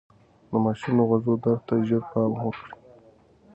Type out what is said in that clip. د ماشوم د غوږ درد ته ژر پام وکړئ.